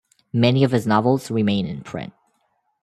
Many of his novels remain in print.